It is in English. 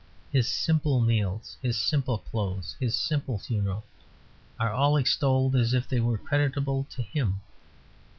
His "simple" meals, his "simple" clothes, his "simple" funeral, are all extolled as if they were creditable to him.